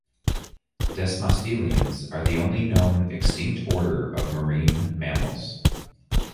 Desmostylians are the only known extinct order of marine mammals.